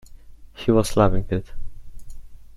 He was loving it!